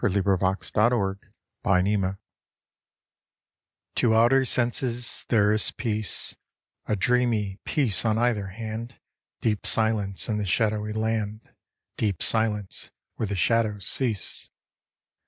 fi4S] II LA FUITE DE LA LUNE TO outer senses there is peace, A dreamy peace on either hand, Deep silence in the shadowy land, Deep silence where the shadows cease.